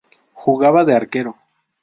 Jugaba de Arquero.